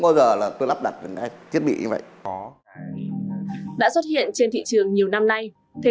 bao giờ là tôi lắp đặt thiết bị như vậy có đã xuất hiện trên thị trường nhiều năm nay thế